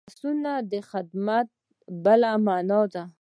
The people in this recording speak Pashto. لاسونه د خدمت بله مانا ده